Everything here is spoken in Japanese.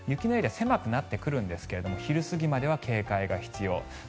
狭くなってくるんですが昼過ぎまでは警戒が必要。